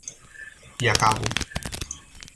I acabo.